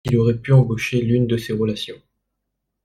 Il aurait pu embaucher l’une de ses relations.